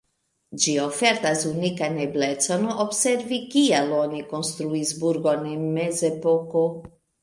Ĝi ofertas unikan eblecon observi kiel oni konstruis burgon en mezepoko.